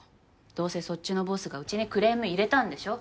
どうせそっちのボスがうちにクレーム入れたんでしょ？